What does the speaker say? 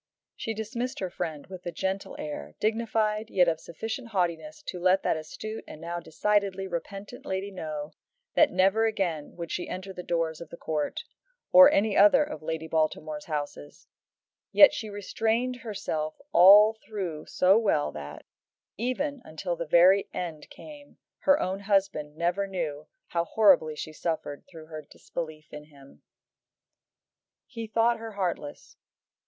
She dismissed her friend with a gentle air, dignified, yet of sufficient haughtiness to let that astute and now decidedly repentant lady know that never again would she enter the doors of the Court, or any other of Lady Baltimore's houses; yet she restrained herself all through so well that, even until the very end came, her own husband never knew how horribly she suffered through her disbelief in him. He thought her heartless.